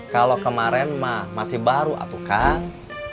kalau kemarin mas masih baru apukah